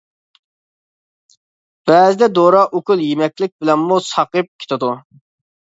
بەزىدە دورا، ئوكۇل، يېمەكلىك بىلەنمۇ ساقىيىپ كېتىدۇ.